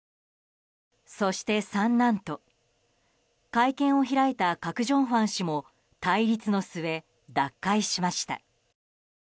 そして三男と、会見を開いたカク・ジョンファン氏も対立の末、脱会しました。